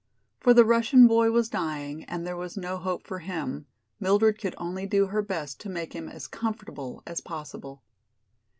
For the Russian boy was dying, and as there was no hope for him, Mildred could only do her best to make him as comfortable as possible.